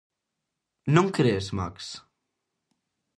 Non cres, Max?